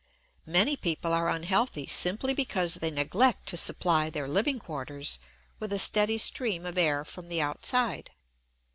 Many people are unhealthy simply because they neglect to supply their living quarters with a steady stream of air from the outside.